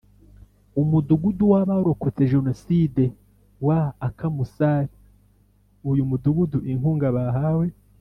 Umudugudu w abarokotse jenoside wa akamusare uyu mudugudu inkunga bahawe